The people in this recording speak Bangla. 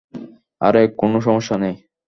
আরে, কোন সমস্যা নেই।